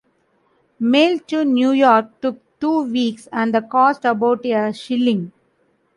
Mail to New York took two weeks and cost about a shilling.